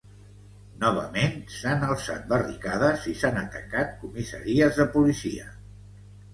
Novament, s’han alçat barricades i s’han atacat comissaries de policia.